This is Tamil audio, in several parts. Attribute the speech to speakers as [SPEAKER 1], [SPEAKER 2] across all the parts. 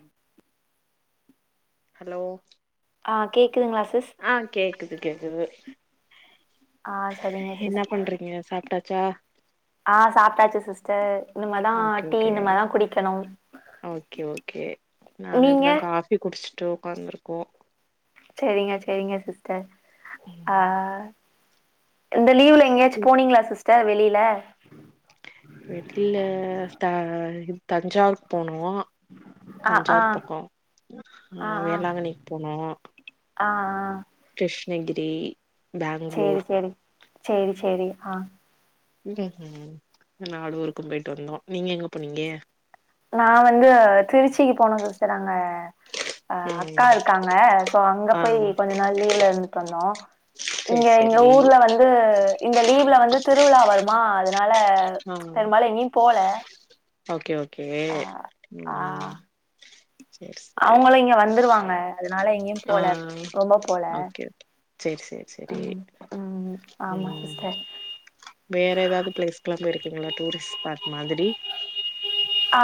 [SPEAKER 1] உம் ஹலோ
[SPEAKER 2] ஆ கேட்குதுங்களா சிஸ்
[SPEAKER 1] ஆ கேக்குது கேக்குது
[SPEAKER 2] ஆ சரிங்க
[SPEAKER 1] என்ன
[SPEAKER 2] சிஸ்
[SPEAKER 1] பண்றீங்க சாப்டாச்சா
[SPEAKER 2] ஆ சாப்டாச்சு சிஸ்டர் இனிமே தான்
[SPEAKER 1] ஓகே
[SPEAKER 2] டீ
[SPEAKER 1] ஓகே
[SPEAKER 2] இனிமேதா குடிக்கணு
[SPEAKER 1] ஓகே ஓகே நாங்க
[SPEAKER 2] நீங்க
[SPEAKER 1] இப்பதா காஃபி குடிச்சுட்டு உக்காந்துருக்கோ
[SPEAKER 2] சேரிங்க சேரிங்க சிஸ்டர் ஆ
[SPEAKER 1] ம்
[SPEAKER 2] இந்த லீவ்ல எங்கயாச்சு போனீங்களா சிஸ்டர் வெளியில
[SPEAKER 1] வெளில த தஞ்சாவூருக்கு போனோ
[SPEAKER 2] ஆ ஆ
[SPEAKER 1] தஞ்சாவூர் பக்கம் ஆ வேளாங்கண்ணிக்கு போனோ
[SPEAKER 2] ஆ ஆ
[SPEAKER 1] கிருஷ்ணகிரி
[SPEAKER 2] சேரி
[SPEAKER 1] பேங்ளூர்
[SPEAKER 2] சேரி சேரி சேரி ஹா
[SPEAKER 1] ம்ஹும் இந்த நாலு ஊருக்கு போயிட்டு வந்தோ நீங்க எங்க போனீங்க?
[SPEAKER 2] நா வந்து திருச்சிகு போனோ சிஸ்டர் அங்க அ அக்கா
[SPEAKER 1] ம்
[SPEAKER 2] இருக்காங்க சோ அங்க
[SPEAKER 1] ஆ
[SPEAKER 2] போய்‌ கொஞ்ச நாள் லீவுல இருந்துட்டு வந்தோ
[SPEAKER 1] சேரி
[SPEAKER 2] இங்க எங்க
[SPEAKER 1] சேரி
[SPEAKER 2] ஊர்ல வந்து இந்த லீவ்ல வந்து திருவிழா வருமா அது னால
[SPEAKER 1] ஆ
[SPEAKER 2] பெரும்பாலு எங்யு‌ போல
[SPEAKER 1] ஓகே ஓகே
[SPEAKER 2] ஆ
[SPEAKER 1] ம் சேரி சேரி
[SPEAKER 2] அவுங்களு இங்க வந்துருவாங்க அதுனால எங்யும்
[SPEAKER 1] ஆ
[SPEAKER 2] போல ரொம்ப போல
[SPEAKER 1] ஓகே சேரி சேரி சேரி
[SPEAKER 2] ம் ம் ஆமா
[SPEAKER 1] ம்
[SPEAKER 2] சிஸ்டர்
[SPEAKER 1] வேற எதாவ்து பிளேஸுக்லா போயிருக்கீங்ளா டூரிஸ் ஸ்பாட் மாதிரி
[SPEAKER 2] ஆ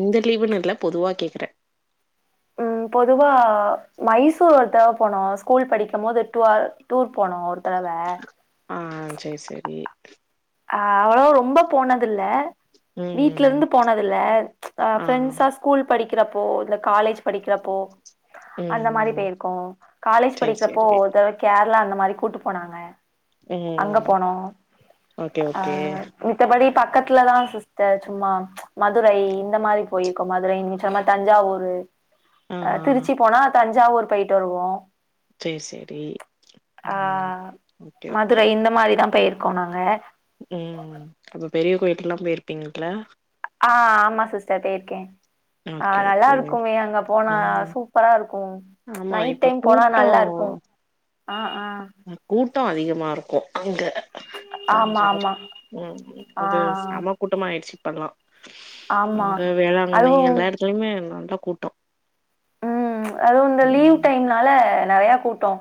[SPEAKER 1] இந்த லீவுன் இல்ல பொதுவா கேக்குறே
[SPEAKER 2] ம் பொதுவா மைசூர் ஒரு தவ போனோ ஸ்கூல் படிக்கும் போது டுவ டூர் போனோ ஒரு தடவ
[SPEAKER 1] ஆ சேர் சேரி
[SPEAKER 2] ஆ அவ்வளோ ரொம்ப போனதில்ல
[SPEAKER 1] ம்
[SPEAKER 2] வீட்லருந்து போனதில்ல அ
[SPEAKER 1] ஆ
[SPEAKER 2] ஃப்ரெண்ட்ஸா ஸ்கூல் படிக்கிறப்போ இந்த காலேஜ் படிக்கிறப்போ அந்த மாரி
[SPEAKER 1] ம்
[SPEAKER 2] பேயிருக்கோ காலேஜ்
[SPEAKER 1] சேரி
[SPEAKER 2] படிக்கிறப்போ
[SPEAKER 1] சேரி
[SPEAKER 2] ஒரு தடவ கேரளா அந்த மாரி கூட்டு போனாங்க அங்க
[SPEAKER 1] ம்
[SPEAKER 2] போனோ
[SPEAKER 1] ஓகே
[SPEAKER 2] ஆ
[SPEAKER 1] ஓகே
[SPEAKER 2] மித்தபடி பக்கத்ல தா சிஸ்டர் சும்மா மதுரை இந்த மாரி போயிருக்கோ மதுரை நிங் சொன்னமாரி தஞ்சாவூரு
[SPEAKER 1] ஆ
[SPEAKER 2] அ திருச்சி போனா தஞ்சாவூர் போயிட்டு வருவோ
[SPEAKER 1] சேர் சேரி
[SPEAKER 2] ஆ
[SPEAKER 1] ம் ஓகே ஓகே
[SPEAKER 2] மதுரை இந்த மாரிதா போயிருக்கோ நாங்க
[SPEAKER 1] ம் அப்ப பெரிய கோயில்கெல்லா போயிருப்பீங்கள்ல
[SPEAKER 2] ஆ ஆமா சிஸ்டர் பேயிருக்கே ஆ
[SPEAKER 1] ஓகே ஓகே
[SPEAKER 2] நல்லாருக்குமே அங்க போனா
[SPEAKER 1] ம்
[SPEAKER 2] சூப் பரா இருக்கு‌
[SPEAKER 1] ஆமா
[SPEAKER 2] நைட்
[SPEAKER 1] இப்ப
[SPEAKER 2] டைம் போனா
[SPEAKER 1] கூட்டோ
[SPEAKER 2] நல்லாருக்கு அ‌ அ
[SPEAKER 1] அ கூட்டொ அதிகமாருக்கு அங்க
[SPEAKER 2] ஆமா
[SPEAKER 1] தஞ்சாவூர்
[SPEAKER 2] ஆமா
[SPEAKER 1] ம்‌ ம்
[SPEAKER 2] ஆ
[SPEAKER 1] அது செமா கூட்டமா ஆயிடுச்சு‌ இப்பல்லா
[SPEAKER 2] ஆமா
[SPEAKER 1] அங்க வேளாங்கண்ணி
[SPEAKER 2] அதுவும்
[SPEAKER 1] எல்லா எடத்லயுமே நல்ல கூட்டொ
[SPEAKER 2] ம் அதுவு இந்த லீவ் டைம்னால நறைய கூட்டொ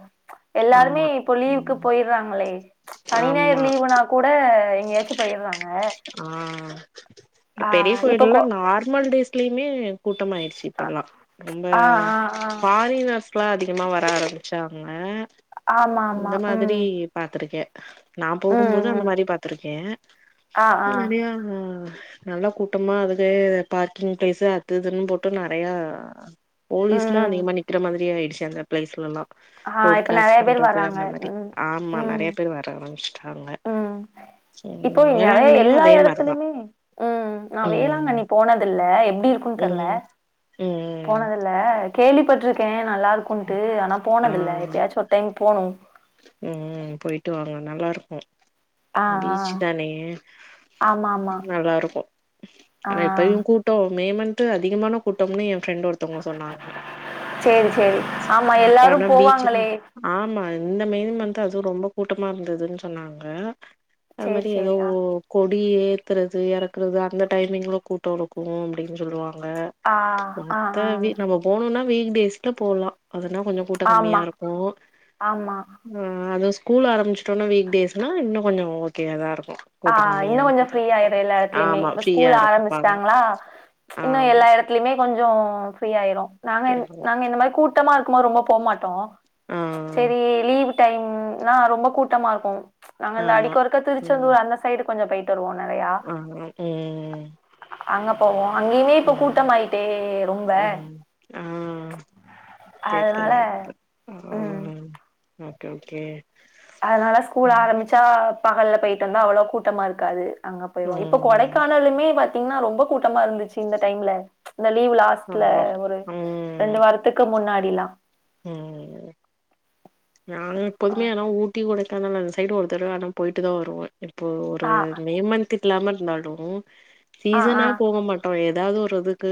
[SPEAKER 2] எல்லாருமே
[SPEAKER 1] ஆமா
[SPEAKER 2] இப்போ
[SPEAKER 1] ம்
[SPEAKER 2] லீவுக்கு போயிர்றாங்களே சனி ஞாயிற்
[SPEAKER 1] ஆமா
[SPEAKER 2] லீவுனா கூட எங்கயாச்சு போயிர்றாங்க
[SPEAKER 1] ஆ இந்த பெரிய
[SPEAKER 2] இப்ப கொ
[SPEAKER 1] கோயில்லா நார்மல் டேஸ்லயுமே கூட்டமாயிரு ச்சு இப்பல்லா ரொம்ப
[SPEAKER 2] ஆ ஆ ஆ
[SPEAKER 1] ஃபாரினர்ஸ் லா அதிகமா வர ஆரம்பிச்சாங்க
[SPEAKER 2] ஆமா ஆமா
[SPEAKER 1] அந்த மாதிரி
[SPEAKER 2] ம்
[SPEAKER 1] பாத்துருக்கே நா போகும்போது
[SPEAKER 2] ம்
[SPEAKER 1] அந்த
[SPEAKER 2] ம்
[SPEAKER 1] மாரி பாத்துருக்கே
[SPEAKER 2] ஆ ஆ
[SPEAKER 1] முடியாத நல்ல கூட்டமா அதுக்கே பார்க்கிங் பிளேஸு அத்து இதுன்னு போட்டு நெறைய போலீஸ்லா
[SPEAKER 2] ம்
[SPEAKER 1] அதிகமா நிக்கிற மாதிரி ஆயிடுச்சு அந்த பிளேஸ்லல்லா
[SPEAKER 2] ஆ
[SPEAKER 1] ரோட்
[SPEAKER 2] இப்ப
[SPEAKER 1] கிராஸ்
[SPEAKER 2] நெறைய பேர்
[SPEAKER 1] பண்றது
[SPEAKER 2] வராங்க
[SPEAKER 1] அந்த மாரி
[SPEAKER 2] ம்
[SPEAKER 1] ஆமா
[SPEAKER 2] ம்
[SPEAKER 1] நெறைய பேர் வர ஆரமிச் டாங்க [unintelligible]
[SPEAKER 2] அதே எல்லா எடத்துலய்மே ம் நா
[SPEAKER 1] ம்
[SPEAKER 2] வேளாங்கண்ணி போனதில்ல எப்டி இரு க்குன் தெர்ல
[SPEAKER 1] ம் ம்
[SPEAKER 2] போனதி ல்ல கேள்விபட்ருக்கே நல்லாருக்குன்ட்டு ஆனா
[SPEAKER 1] ஆ
[SPEAKER 2] போனதில்ல எப்பயாச்சு ஒரு டைம் போனு
[SPEAKER 1] ம் போயிட்டு வாங்க நல்லாருக்கு
[SPEAKER 2] ஆ ஆ
[SPEAKER 1] பீச்சு தானே
[SPEAKER 2] ஆமா ஆமா
[SPEAKER 1] நல்லா இருக்கு
[SPEAKER 2] ஆ
[SPEAKER 1] ஆனா இப்பயு கூ ட்டோ மே மன்த்து அதிகமான கூட்டம்னு எ ஃப்ரெண்டு ஒருத்தவுங்க சொன்னாங்க
[SPEAKER 2] சேரி சேரி ஆமா எல்லாரு
[SPEAKER 1] பண பீச்ல
[SPEAKER 2] போவாங்களே
[SPEAKER 1] ஆமா இந்த மே மன்த்து அதுவு ரொம்ப கூட்டமா இருந்ததுன் சொன்னாங்க அது
[SPEAKER 2] சேரி
[SPEAKER 1] மாரி எதோ
[SPEAKER 2] சேரி ஆ
[SPEAKER 1] கொடி ஏத்தறது எறக்கறது அந்த டைமிங்லு கூட்டோ இருக்கு அப்டின்னு சொல்லுவா ங்க
[SPEAKER 2] ஆ ஆ ஆ
[SPEAKER 1] மத்தபடி நம்ம போணுன்னா வீக்டேஸ்ல போலா அதனா கொஞ்சோ கூட்டோ கம்மியா
[SPEAKER 2] ஆமா
[SPEAKER 1] இருக்கு
[SPEAKER 2] ஆமா
[SPEAKER 1] ஆ அதுவு ஸ்கூல் ஆரம்பிச்ட்டோனா வீக் டேஸ்னா இன்னு கொஞ்சோ ஓகேயா தா இருக்கு
[SPEAKER 2] ஆ
[SPEAKER 1] கூட்டோ
[SPEAKER 2] இன்னு
[SPEAKER 1] கம்மியா
[SPEAKER 2] கொஞ்சோ
[SPEAKER 1] தா
[SPEAKER 2] ஃப்ரீ
[SPEAKER 1] இருக்கு
[SPEAKER 2] ஆயிடு எல்லா எடத்துலேயுமே
[SPEAKER 1] ஆமா
[SPEAKER 2] இப்ப
[SPEAKER 1] ஃப்ரீயா
[SPEAKER 2] ஸ்கூல்
[SPEAKER 1] இருப்பாங்க
[SPEAKER 2] ஆரம்பிச்சுட்டாங்ளா இன்னு
[SPEAKER 1] ஆமா
[SPEAKER 2] எல்லா எட த்திலியுமே கொஞ்சோ ஃப்ரீ ஆயிரு நாங்க இந்
[SPEAKER 1] ஃப்ரீயா இருக்கு
[SPEAKER 2] நாங்க இந்த மாரி கூட்டமா இருக்கும் போது ரொம்ப போமாட்டோ
[SPEAKER 1] ஆ
[SPEAKER 2] செரி லீவு டைம்னா ரொம்ப கூட்டமா இருக்கு நாங்க அந்த
[SPEAKER 1] ஆமா
[SPEAKER 2] அடிக்கு ஒருக்க திருச்செந்தூர் அந்த சைடு கொஞ்ச போயிட்டு வருவோ நறையா
[SPEAKER 1] ஆ ம் ம் ம் ம்
[SPEAKER 2] அங்க போவோ அங்கயுமே இப்ப கூட்டம் ஆயிட்டே ரொம்ப
[SPEAKER 1] ம் ஆ தெர்ட்டல
[SPEAKER 2] அதனால
[SPEAKER 1] அப்ப ஆ
[SPEAKER 2] ம்
[SPEAKER 1] ஓகே ஓகே
[SPEAKER 2] அதனால ஸ்கூல் ஆரம்பிச்சா பகல போயிட்டு வந்தா அவ்வளவு கூட்டமா இருக்காது அங்க போயிருவோ இப்ப
[SPEAKER 1] ம்
[SPEAKER 2] கொடைக்கா னலுமே பாத்தீங்கன்னா ரொம்ப கூட்டமா இருந்துச்சு இந்த டைம்ல இந்த லீவ் லாஸ் ட்ல
[SPEAKER 1] ஆமா
[SPEAKER 2] ஒரு
[SPEAKER 1] ம்
[SPEAKER 2] ரெண்டு வாரத்துக்கு முன்னாடிலா
[SPEAKER 1] ம் நாங்க
[SPEAKER 2] ஆ
[SPEAKER 1] எப்போதுமே ஆனா ஊட்டி கொடைக்கானல் அந்த சைடு ஒருத்தரவ ஆனா போயிட்டு தா வருவ இப்போ ஒரு
[SPEAKER 2] ஆ
[SPEAKER 1] மே மன்த்கில்லாம இருந்தாலு
[SPEAKER 2] ஆ ஆ
[SPEAKER 1] சீசனா போக மாட் டோ ஏதாவது ஒரு இதுக்கு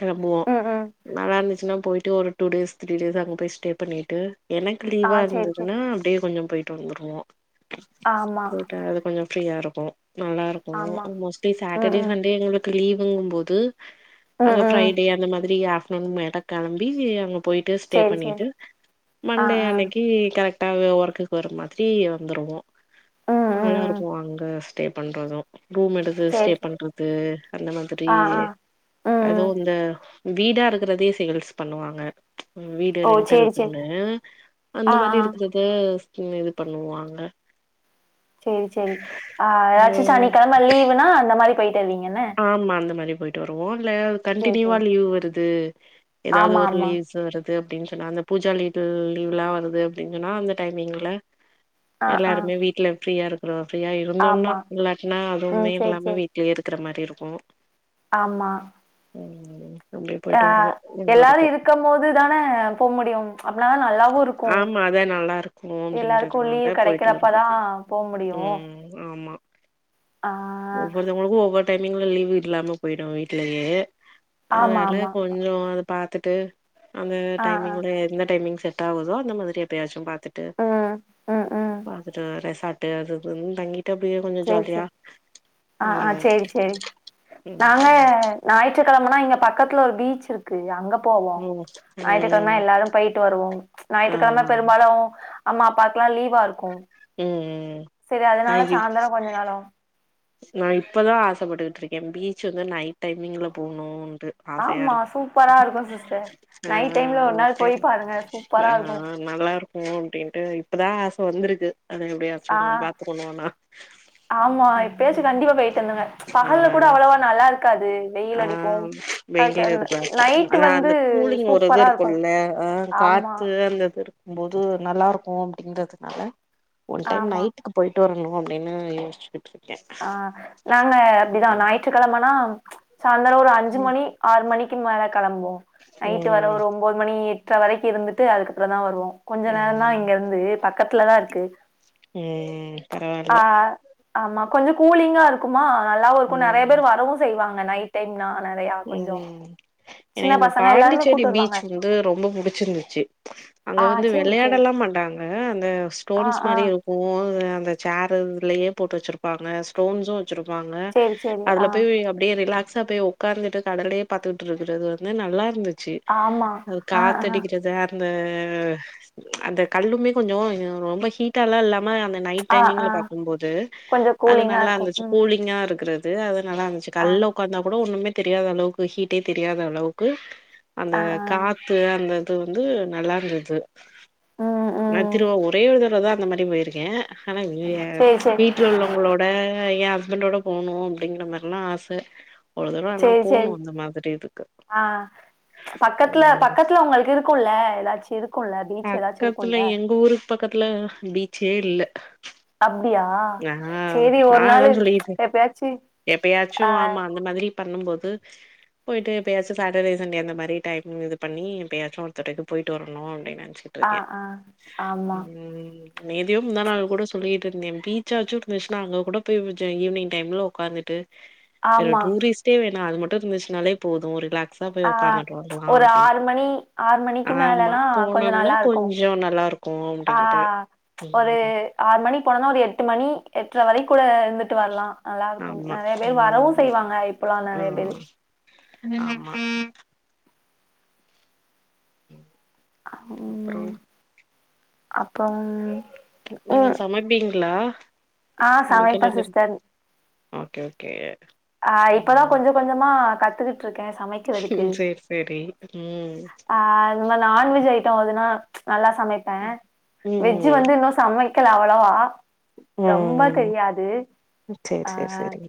[SPEAKER 1] கெளம்புவோ
[SPEAKER 2] ம் ம்
[SPEAKER 1] நல்லா இருந்துச்சுன்னா போயிட்டு ஒரு டூ டேஸ் த்ரீ டேஸ் அங்கே போய் ஸ்டே பண்ணிட்டு என்னை
[SPEAKER 2] ஆ
[SPEAKER 1] லீவா
[SPEAKER 2] சரி சரி
[SPEAKER 1] இருந்ததுன்னா அப்டியே கொஞ்சம் போயிட்டு வந்துருவோ
[SPEAKER 2] ஆமா
[SPEAKER 1] போயிட்டு அது கொஞ்சம் ஃப்ரீயா இருக்கு நல்லா இருக்கு
[SPEAKER 2] ஆமா
[SPEAKER 1] மோஸ்ட்லி
[SPEAKER 2] ம்
[SPEAKER 1] சாட்டர்டே
[SPEAKER 2] ம்
[SPEAKER 1] சண்டே எங்களுக்கு லீவுங்கும்போது அங்க
[SPEAKER 2] ம் ம்
[SPEAKER 1] ஃப்ரைடே அந்த மாதிரி ஆஃப்டர்நூன் மேடா கெளம்பி அங்க போயிட்டு ஸ்டே
[SPEAKER 2] சரி சரி
[SPEAKER 1] பண்ணிட்டு
[SPEAKER 2] ஆ
[SPEAKER 1] ண்டே
[SPEAKER 2] ஆ
[SPEAKER 1] அன்னைக்கு கரெக்டா ஒர்க்குக்கு வற மாதிரி வந்துருவோ
[SPEAKER 2] ம்
[SPEAKER 1] நல்லா
[SPEAKER 2] ம்
[SPEAKER 1] இருக்கு அங்க ஸ்டே பண்றது ரூம் எடுத்து
[SPEAKER 2] சரி
[SPEAKER 1] ஸ்டே
[SPEAKER 2] சரி
[SPEAKER 1] பண்றது அந்த மாதிரி
[SPEAKER 2] ஆ ஆ ம்
[SPEAKER 1] அது
[SPEAKER 2] ம்
[SPEAKER 1] இந்த வீடா இருக்கிறதே சேல்ஸ் பண்ணுவாங்க வீடு
[SPEAKER 2] ஓ சரி சரி
[SPEAKER 1] ரெண்ட்டல்க்குண்ணு அந்த
[SPEAKER 2] ஆ
[SPEAKER 1] மாதிரி
[SPEAKER 2] ஆ
[SPEAKER 1] இருக்கிறத ம் இது பண்ணுவாங்க
[SPEAKER 2] சேரி சேரி ஆ ஏதாச்சு சனிக்கெழம லீவுனா அந்த மாரி போயிட்டு வருவீங்க என்ன
[SPEAKER 1] ஆமா அந்த மாரி போயிட்டு வருவோ இல்ல
[SPEAKER 2] சேரி
[SPEAKER 1] கண்டினியூவா
[SPEAKER 2] சேரி
[SPEAKER 1] லீவ் வருது ஏதாவது
[SPEAKER 2] ஆமா
[SPEAKER 1] ஒரு
[SPEAKER 2] ஆமா
[SPEAKER 1] லீவ்ஸ் வரு து அப்டின்னு சொன்னா அந்த பூஜா லீவு லீவ்லா வருது அப்டின்னு சொன்னா அந்த டைமிங்ல
[SPEAKER 2] ஆ ஆ
[SPEAKER 1] எல்லாருமே வீட்ல ஃப்ரீயா இருக்கறோ ஃப்ரீயா இருந்தோம்னா
[SPEAKER 2] ஆமா
[SPEAKER 1] இல்லாட்னா
[SPEAKER 2] ம்
[SPEAKER 1] அதுவுமே
[SPEAKER 2] சேரி
[SPEAKER 1] எல்லாமே
[SPEAKER 2] சேரி
[SPEAKER 1] வீட்லயே இருக் கிற மாரி இருக்கு
[SPEAKER 2] ஆமா
[SPEAKER 1] ம் அப்டியே
[SPEAKER 2] ஆ
[SPEAKER 1] போயிட்டு வருவோ நல்லா
[SPEAKER 2] எல்லாரு
[SPEAKER 1] இருக்கு
[SPEAKER 2] இருக்கும் போது தான போ முடியும் அப்பனாதா நல்லாவு இருக் கு
[SPEAKER 1] ஆமா அதா நல்லா இருக்கு
[SPEAKER 2] எல்லாருக்கு
[SPEAKER 1] அப்டிங்கறதுனால
[SPEAKER 2] லீவ்
[SPEAKER 1] போயிட்டு
[SPEAKER 2] கடைக்கிறப்ப
[SPEAKER 1] வருவோ
[SPEAKER 2] தா போ முடியு ஆ
[SPEAKER 1] ஒவ்வொருத்தவங்களுக்கும் ஒவ்வொரு டைமிங்கிலும் லீவு இல்லாம போயிடும் வீட்டுலேயே ஆ
[SPEAKER 2] ஆமா
[SPEAKER 1] அதா
[SPEAKER 2] ஆமா
[SPEAKER 1] கொஞ்ச அத பாத்துட்டு அந்த
[SPEAKER 2] ஆ ஆ
[SPEAKER 1] டைமிங்ல எந்த டைமிங் சேட் அவுதோ அந்த மாதிரி எப்பாயாச்சும் பாத்துட்டு
[SPEAKER 2] ம் ம் ம்
[SPEAKER 1] பாத்துட்டு ரெஸ்ஸுட் ட்டூ அது‌ வந்து தங்கிட்டு அப்டியே கொஞ்சம்
[SPEAKER 2] சேரி
[SPEAKER 1] ஜாலியா
[SPEAKER 2] சேரி ஆ ஆ
[SPEAKER 1] வருவோ
[SPEAKER 2] சேரி
[SPEAKER 1] ம்
[SPEAKER 2] நாங்க ஞாயிற்றுக்கிழமனா இங்க பக்கத்துல ஒரு பீச் இருக்கு இருக்கு அங்க போவோம்
[SPEAKER 1] ம்
[SPEAKER 2] ஞாயிறுக்கிழம
[SPEAKER 1] ம்
[SPEAKER 2] எல்லாரும் பேயிட்டு வருவோம்
[SPEAKER 1] ஆ
[SPEAKER 2] ஞாயிற்றுக்கிழம
[SPEAKER 1] ம்
[SPEAKER 2] பெரும்பாலும் அம்மா அப்பா கெல்லா லீவா இருக்கும்
[SPEAKER 1] ம்
[SPEAKER 2] சேரி
[SPEAKER 1] நா
[SPEAKER 2] அதனால
[SPEAKER 1] இப்
[SPEAKER 2] சாயந்திரம் கொஞ்ச நேரம்
[SPEAKER 1] நா இப்பதா ஆசப்பட்டுக்கிட்டு இருக்கே பீச்சுக்கு நைட் டைமிங்ல போணும்ன்ட்டு
[SPEAKER 2] ஆமா சூப்பரா இருக்கும் சிஸ்டர்
[SPEAKER 1] ஆ
[SPEAKER 2] நைட் டைம்ல
[SPEAKER 1] அது
[SPEAKER 2] ஒரு நாள் போயி
[SPEAKER 1] டைம்
[SPEAKER 2] பாருங்க சூப்பரா
[SPEAKER 1] ஆ
[SPEAKER 2] இருக்கும்
[SPEAKER 1] நல்லா இருக்கும் அப்டின்ட்டு இப்பதா ஆச வந்திருக்கு அத
[SPEAKER 2] ஆ
[SPEAKER 1] எப்படியாச்சும் பாத்துக்கண்ணுனா
[SPEAKER 2] ஆமா இப்பயசு கண்டிப்பா போயிட்டு இருந்துங்க
[SPEAKER 1] ஆ
[SPEAKER 2] பகல்லல கூட அவ்வளவா நல்லா இருக்காது வெயில்
[SPEAKER 1] ஆ
[SPEAKER 2] அடிக்கும்
[SPEAKER 1] வெயில
[SPEAKER 2] கரெக்டா
[SPEAKER 1] இருந்த
[SPEAKER 2] நைட்டு
[SPEAKER 1] அதா
[SPEAKER 2] வந்து
[SPEAKER 1] அந்த கூலிங் ஒரு இது
[SPEAKER 2] சூப்பரா இருக்கும்
[SPEAKER 1] இருக்கும்ல ஆ
[SPEAKER 2] ஆமா
[SPEAKER 1] காத்து அந்த இது இருக்கும் போது நல்லா இருக்கும் அப்படிங்கதுனால ஒன் டைம்
[SPEAKER 2] ஆமா
[SPEAKER 1] நைட்டு போயிட்டு வரனும் அப்படின்னு யோசிச்ச
[SPEAKER 2] ஆ நாங்க அப்படிதா ஞாயிற்றுக்கிழமனா சாயந்தரம் ஒரு அஞ்சு மணி ஆறு மணிக்கு மேல கல்ம்புவோம் நைட்டு வர
[SPEAKER 1] ம்
[SPEAKER 2] ஒன் பது மணி எட்டற வரைக்கு இருந்துட்டு அதுக்கப்புறம் தா வருவோ கொஞ்ச நேரம்தா
[SPEAKER 1] ம்
[SPEAKER 2] இங்க இருந்து பக்கத்துலதா இருக்கு
[SPEAKER 1] ம் பரவால்ல
[SPEAKER 2] ஆ ஆமா கொஞ்சம் கூலிங்கா இருக்குமா நல்லாவும் இருக்கும் நிறைய
[SPEAKER 1] ம்
[SPEAKER 2] பேர் வரவும் செய்வாங்க நைட் டைம்னா நிறையா கொஞ்ச
[SPEAKER 1] ம் எனக்கு அந்த பாண்டிச்சேடி பீச்
[SPEAKER 2] வருவாங்க
[SPEAKER 1] வந்து ரொம்ப புடிச்சிருந்துச்சு அங்க
[SPEAKER 2] ஆ
[SPEAKER 1] வந்து
[SPEAKER 2] சேரி சேரி
[SPEAKER 1] விளையாடலா மாட்டாங்க அந்த
[SPEAKER 2] ஆ
[SPEAKER 1] ஸ்டோன்ஸ்
[SPEAKER 2] ஆ
[SPEAKER 1] மாதிரி இருக்கு ஓ அந்த சேர் இதுலயே போட்டு வச்சிருப்பாங்க ஸ்டோன்ஸம் வச்சிருப்பாங்க
[SPEAKER 2] சேரி சேரி ஆ
[SPEAKER 1] அதுல போய் அப்படியே ரிலாக்ஸ போய் உக்காந்துட்டு கடலே பாத்துட்டு இருக்கிறது நல்லா இருந்துச்சு
[SPEAKER 2] ஆமா
[SPEAKER 1] அது
[SPEAKER 2] ஆ
[SPEAKER 1] காத்த
[SPEAKER 2] ஆ
[SPEAKER 1] அடிக்கிறது அந்த அந்த கல்லுமே கொஞ்சம் ரொம்ப ஹீட்டல்லா இல்லாம அந்த நைட்
[SPEAKER 2] ஆ ஆ
[SPEAKER 1] டைமி்ல பார்க்கும்போது
[SPEAKER 2] கொஞ்சோ
[SPEAKER 1] அது
[SPEAKER 2] கூலிங்கா
[SPEAKER 1] நல்லா
[SPEAKER 2] இருக்கு
[SPEAKER 1] அந்தச்சு
[SPEAKER 2] ம்
[SPEAKER 1] கூலிங்கா இருக்கிறது அது நல்லா இருந்துச்சு
[SPEAKER 2] ஆ
[SPEAKER 1] கல்ல உட்காந்தா கூட ஒண்ணுமே தெரியாத அளவுக்கு ஹீட்டே தெரியாத அளவுக்கு அந்த
[SPEAKER 2] ஆ ஆ
[SPEAKER 1] காத்து அந்த இது வந்து நல்லா இருந்துது
[SPEAKER 2] ம்
[SPEAKER 1] நா
[SPEAKER 2] ம்
[SPEAKER 1] திருவா ஒரே ஒரு தடவதா அந்த மாதிரி போயிருக்கே ஆனா
[SPEAKER 2] சேரி சேரி
[SPEAKER 1] வீட்டு ல உள்ளவங்களோட எ ஹஸ்பண்டோட போணும் அப்படிங்கற மாதிரெல்லாம் ஆச அவளவு தூரம் ஆனா
[SPEAKER 2] சேரி சேரி
[SPEAKER 1] போணும் அந்த மாதிரி இதுக்கு
[SPEAKER 2] ஆ பக்கத்துல
[SPEAKER 1] ம்
[SPEAKER 2] பக்கத்துல உங்களுக்கு இருக்கும்ல ஏதாச்சு இருக்கும்ல பீச் ஏதாச்சு இருக்கும்ல
[SPEAKER 1] பக்கதுல பீச்சே இல்ல
[SPEAKER 2] அப்டியா
[SPEAKER 1] நா
[SPEAKER 2] சேரி
[SPEAKER 1] நா
[SPEAKER 2] ஒரு
[SPEAKER 1] அதா
[SPEAKER 2] நாளு
[SPEAKER 1] சொல்லிடுக்
[SPEAKER 2] எப்பயாச்சு
[SPEAKER 1] எப்பயாச்சும்
[SPEAKER 2] ஆ
[SPEAKER 1] ஆமா அந்த மாதிரி பண்ணும்போது போயிட்டு எப்பயாச்சும் சார்டே சண்டே அந்த மாரி டைம் இது பண்ணிப்பயாச்சும் ஒருத்தரைக்கு போயிட்டு வரும் அப்படின்னு நினச்ச
[SPEAKER 2] ஆ ஆ ஆமா
[SPEAKER 1] நேத்தியும் முந்தா நாள் கூட சொல்லிட்டு இருந்தே பீச்சா வச்சு இருந்துச்சுன்னா அங்க கூட போய் ஈவினிங் டைம்ல உட்காந்துட்டு வேற
[SPEAKER 2] ஆமா
[SPEAKER 1] டூரிஸ்ட்டே வேணா அது மட்டும் இருந்துச்சுனாலே போதும் ஒரு ரிலாக்ஸ் சா
[SPEAKER 2] ஆ
[SPEAKER 1] போய் உட்காந்துட்டு வரலா அப்ப
[SPEAKER 2] ஒரு
[SPEAKER 1] அப்படின்னு
[SPEAKER 2] ஆறு மணி ஆறு மணிக்கு
[SPEAKER 1] ஆமா
[SPEAKER 2] மேலல்லா கொஞ்ச
[SPEAKER 1] போனம் நா
[SPEAKER 2] நல்லா இருக்கு
[SPEAKER 1] கொஞ்ச நல்லா இருக் கும்
[SPEAKER 2] ஆ
[SPEAKER 1] அப்படின்ட்டு
[SPEAKER 2] ஒரு
[SPEAKER 1] உம்
[SPEAKER 2] ஆறு மணிக்கு போனனா ஒரு எட்டு மணி எட்டுர வரைக்கு கூட இருந்து ட்டு வரலா நல்லா இருக்கு
[SPEAKER 1] ஆமா
[SPEAKER 2] நிறைய பேர் வரவும்
[SPEAKER 1] ம்
[SPEAKER 2] செய்வாங்க இப்பல்லா நிறைய பேரு
[SPEAKER 1] ந அப்றோ
[SPEAKER 2] ம் அப்றோ
[SPEAKER 1] நீங்க சமைப்பீங்ளா
[SPEAKER 2] ஆ சமைப்பே
[SPEAKER 1] நம்ளுக்கேன்டா அது
[SPEAKER 2] சிஸ்டர்
[SPEAKER 1] ஒகே ஓகே
[SPEAKER 2] ஆ இப்பதா
[SPEAKER 1] ம்
[SPEAKER 2] கொஞ்சொ கொஞ்சமா கத்துகிட் ருக்கே சமைக்கிறதுக்கு
[SPEAKER 1] ம் சேரி சேரி ம்
[SPEAKER 2] ஆஹ் நம்ம நான்வெஜ் ஐட்டோ அதுனா நல்லா சமைப்பே வெஜ்ஜு
[SPEAKER 1] ம்
[SPEAKER 2] வந்து இன்னு சமை க்கல அவ்வளவா ரொம்ப
[SPEAKER 1] ம்
[SPEAKER 2] தெரியாது
[SPEAKER 1] சேரி
[SPEAKER 2] ஆ
[SPEAKER 1] சேரி சேரி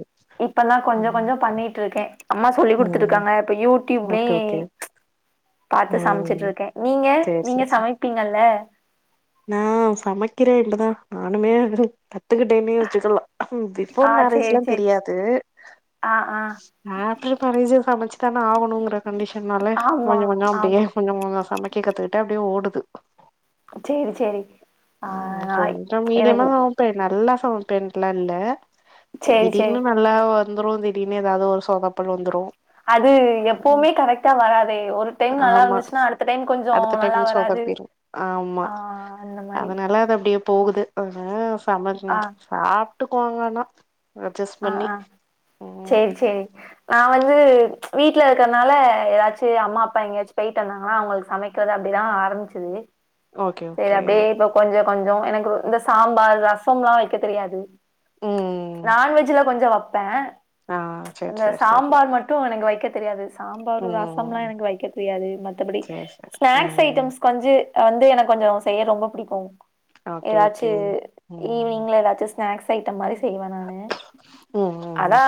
[SPEAKER 2] இப்பல்லா கொஞ்சொ
[SPEAKER 1] ம்
[SPEAKER 2] கொஞ்சோ பண்ணீட்ருக்கே அம்மா சொல்லி்
[SPEAKER 1] ம்
[SPEAKER 2] குடுத்துட்ருக்காங்க இப்ப யூடியூப்மே
[SPEAKER 1] ஓகே ஓகே
[SPEAKER 2] பாத்து
[SPEAKER 1] ம்
[SPEAKER 2] சமச்சீட்ருக்கே நீங்க
[SPEAKER 1] சேரி
[SPEAKER 2] நீங்க
[SPEAKER 1] சேரி சேரி
[SPEAKER 2] சமைப்பீங்கல்ல
[SPEAKER 1] நா சமைக்கிறே இப்பதா நானுமே கத்துக்கிட்டேனே வச்சுக்கலா
[SPEAKER 2] ஆ
[SPEAKER 1] பிஃபோர்
[SPEAKER 2] சேரி
[SPEAKER 1] மேரேஜ்லா
[SPEAKER 2] சேரி
[SPEAKER 1] தெரியாது
[SPEAKER 2] ஆ ஆ
[SPEAKER 1] ஆஃப்டரு மேரேஜு சமச்சி தானே ஆகணூங்குற கண்டிஷன்னால
[SPEAKER 2] ஆமா
[SPEAKER 1] கொஞ்சொ கொஞ்சோ அப்டியே
[SPEAKER 2] ஆமா
[SPEAKER 1] கொஞ்சமோ நா சமைக்க கத்துக்கிட்டே அப்டியே ஓடுது
[SPEAKER 2] சேரி சேரி ஆ
[SPEAKER 1] அ
[SPEAKER 2] நா
[SPEAKER 1] கொஞ்சோ மீடியமா
[SPEAKER 2] எனக்கு
[SPEAKER 1] சமைப்பே நல்லா சமைப்பேன்ட்லா இல்ல
[SPEAKER 2] சேரி சேரி
[SPEAKER 1] திடீர்னு நா ல்லா வந்துரு திடீனு ஏதாவது ஒரு சொதப்பல் வந்துரு
[SPEAKER 2] அது எப்பவுமே கரெக்டா வராதே ஒரு டைம் நல்லா
[SPEAKER 1] ஆமா
[SPEAKER 2] வந்துச்சினா அடுத்த டைம் கொஞ்சோ
[SPEAKER 1] அடுத்த
[SPEAKER 2] நல்லா
[SPEAKER 1] டைம்
[SPEAKER 2] வராது
[SPEAKER 1] சொதப்பிரு ஆமா
[SPEAKER 2] ஆ அந்த மாரி
[SPEAKER 1] அதனால அது அப்டியே போகுது ஆ சம நீ
[SPEAKER 2] ஆ
[SPEAKER 1] சாப்டுக்கோங்கனா
[SPEAKER 2] ஆ ஆ சேரி சேரி நா வந்து வீட்ல இருக்றனால ஏதாச்சு அம்மா அப்பா எங்கயாச்சு போயிட்டு வந்தாங்கனா அவங்களுக்கு சமை க்றது அப்டிதா ஆரம்பிச்சது
[SPEAKER 1] ஓகே
[SPEAKER 2] சேரி
[SPEAKER 1] ஓகே
[SPEAKER 2] அப்டியே இப்ப கொஞ்ச கொஞ்சோ எனக்குரு இந்த சாம்பார் ரசம்லா வைக்க தெரியாது
[SPEAKER 1] ம்
[SPEAKER 2] நான்வெஜ்ஜில கொஞ்சோ வப்பே
[SPEAKER 1] ஆ செர் சேர் சேரி
[SPEAKER 2] டு எனக்கு வைக்க தெரியாது சாம்பாரு ரசம்லா
[SPEAKER 1] ம்
[SPEAKER 2] எனக்கு வைக்க தெரியாது மத்தபடி
[SPEAKER 1] சேரி சேரி
[SPEAKER 2] ஸ்நேக்ஸ்
[SPEAKER 1] ம்
[SPEAKER 2] ஐட்டம்ஸ் கொஞ்சு வந்து எனக் கொஞ்சோ செய்ய ரொம்ப பிடிக்கூ
[SPEAKER 1] ஓகே
[SPEAKER 2] ஏதாச்சு
[SPEAKER 1] ஓகே ம்
[SPEAKER 2] ஈவினிங்ல ஏதாச்சுஸ் நேக்ஸ் ஐட்டம் மாரி செய்வ நானு
[SPEAKER 1] ம்
[SPEAKER 2] அதா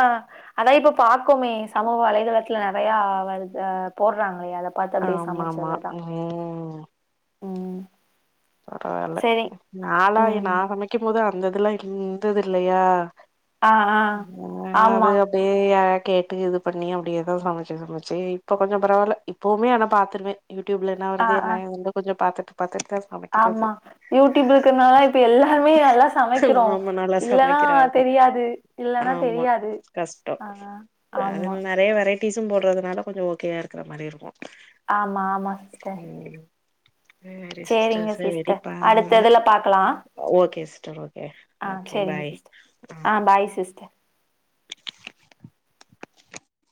[SPEAKER 2] அதா இப்ப பாக்கோமே சமூக வலைதளத்ல நெறையா வருது அ போட்றாங்களே அத பாத்து அப்டியே
[SPEAKER 1] ஆமா ஆமா
[SPEAKER 2] சமச்சதுதா
[SPEAKER 1] ம்
[SPEAKER 2] ம்
[SPEAKER 1] பரவாயில்ல
[SPEAKER 2] செரி
[SPEAKER 1] நாளாய்
[SPEAKER 2] ம்
[SPEAKER 1] நா சமைக்கும் போது அந்த இதுல்லா இருந்ததில்லையா
[SPEAKER 2] ஆ ஆ
[SPEAKER 1] நா அது
[SPEAKER 2] ஆமா
[SPEAKER 1] அப் டியே யாரா கேட்டு இது பண்ணி அப்டியேதா சமச்சி சமச்சி இப்ப கொஞ்சோ பரவால்ல இப்பவுமே ஆனா பாத்துருவே யூடியூப்ல என்ன
[SPEAKER 2] ஆ
[SPEAKER 1] வருது
[SPEAKER 2] ஆ
[SPEAKER 1] என்னாய் வந்து கொஞ்சோ பாத்துட்டு பாத்துட்டுதா சம
[SPEAKER 2] ஆமா யூடியூப் இருக்குறனால இப்ப எல்லாருமே நல்லா சமைக்கிறோ
[SPEAKER 1] ஆமா நல்லா
[SPEAKER 2] இல்லனா
[SPEAKER 1] சமைக்கிறாங்க
[SPEAKER 2] தெரியாது இல்லனா
[SPEAKER 1] ஆமா
[SPEAKER 2] தெரியாது
[SPEAKER 1] கஷ்டோ
[SPEAKER 2] ஆ ஆமா.
[SPEAKER 1] அதில நெறைய வெரைட்டீஸும் போடுறதுனால கொஞ்சோ ஓகேயா இருக்ற மாரி இருக்கு
[SPEAKER 2] ஆமா ஆமா சிஸ்டர்
[SPEAKER 1] சேரி சிஸ்
[SPEAKER 2] ரிங்க சிஸ்டர் அடுத்த இதுல பாக்கலா
[SPEAKER 1] அ ஓகே சிஸ்டர் ஓ
[SPEAKER 2] ஆ சேரிங்க சிஸ்டர் ஆ பாய் சிஸ்டர்